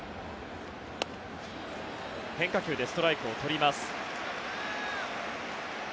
変化球でストライクを取ります。